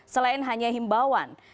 selain hanya himbauan